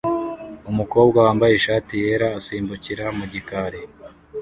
Umukobwa wambaye ishati yera asimbukira mu gikari